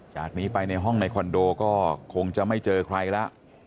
จากนี้ไปในห้องในคอนโดก็คงจะไม่เจอใครแล้ว